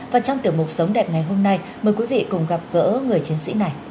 và trong tiểu mục sống đẹp ngày hôm nay mời quý vị cùng gặp gỡ người chiến sĩ này